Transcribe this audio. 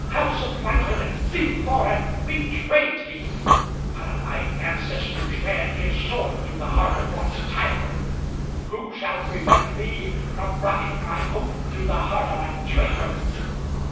have supplanted, defrauded, betrayed me! One of my ancestors ran his sword through the heart of Wat Tyler; Who shall prevent me from running my own through the heart of a traitor?